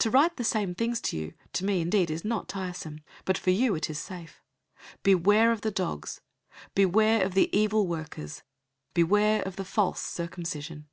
To write the same things to you, to me indeed is not tiresome, but for you it is safe. 003:002 Beware of the dogs, beware of the evil workers, beware of the false circumcision.